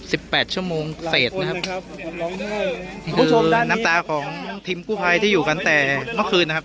แปดชั่วโมงเศษนะครับครับคุณผู้ชมน้ำตาของทีมกู้ภัยที่อยู่กันแต่เมื่อคืนนะครับ